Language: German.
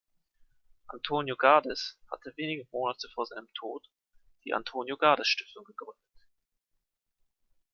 Antonio Gades hatte wenige Monate vor seinem Tod die "Antonio Gades Stiftung" gegründet.